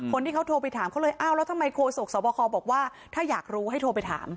คนที่เขาโทรไปถามเขาเลยอ้าวแล้วทำไมโคศกสวบคบอกว่าถ้าอยากรู้ให้โทรไปถาม